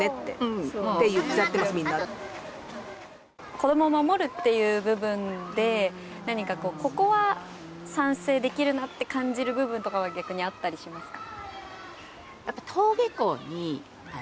子供を守るという部分で何かここは賛成できるなって感じる部分とかはあったりしますか？